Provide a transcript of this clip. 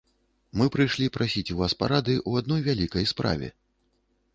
Мы прыйшлі прасіць у вас парады ў адной вялікай справе.